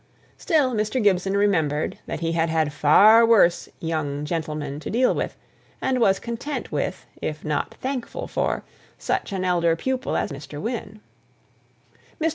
Still Mr. Gibson remembered that he had had far worse "young gentlemen" to deal with; and was content with, if not thankful for, such an elder pupil as Mr. Wynne. Mr.